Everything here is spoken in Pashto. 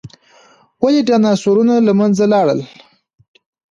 ولې ډیناسورونه له منځه لاړل؟